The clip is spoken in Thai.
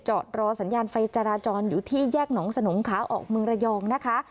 รอสัญญาณไฟจราจรอยู่ที่แยกหนองสนงขาออกเมืองระยองนะคะ